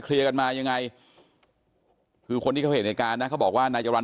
เคลียร์กันมายังไงคือคนที่เขาเห็นในการนะเขาบอกว่านายจรรย์